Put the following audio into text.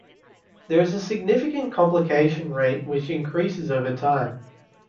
There is a significant complication rate, which increases over time.